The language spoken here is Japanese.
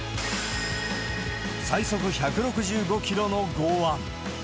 最速１６５キロの剛腕。